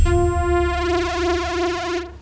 umi sama abah lu